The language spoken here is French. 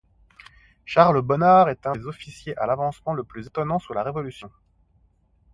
Charles Bonnard est un des officiers à l'avancement le plus étonnant sous la Révolution.